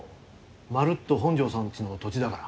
まるっと本城さんちの土地だから。